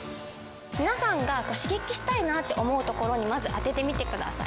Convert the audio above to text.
皆さんが刺激したいなって思うところにまず当ててみてください。